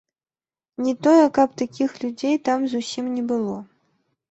Не тое каб такіх людзей там зусім не было.